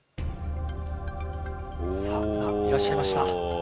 さあ今、いらっしゃいました。